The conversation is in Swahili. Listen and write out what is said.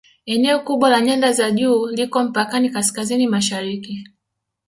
Eneo kubwa la nyanda za juu liko mpakani Kaskazini Mashariki